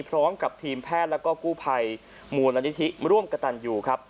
พร้อมกับทีมแพทย์แล้วก็กู้ภัยมูลนิธิร่วมกระตันอยู่ครับ